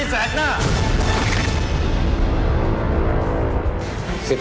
ช่วยคุณ